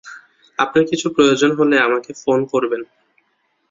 আপনার কিছু প্রয়োজন হলে আমাকে ফোন করবেন।